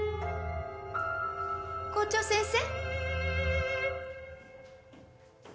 校長先生。